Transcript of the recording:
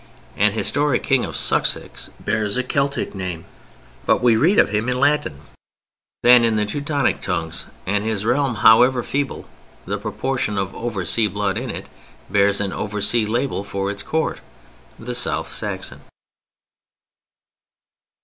An historic King of Sussex bears a Celtic name, but we read of him in the Latin, then in the Teutonic tongues, and his realm, however feeble the proportion of over sea blood in it, bears an over sea label for its court—"the South Saxon."